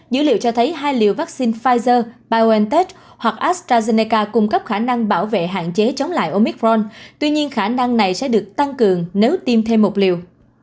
dữ liệu cho thấy hai liều vaccine pfizer biontech hoặc astrazeneca cung cấp khả năng bảo vệ hạn chế chống lại omicron tuy nhiên khả năng này sẽ được tăng cường nếu tiêm thêm một liều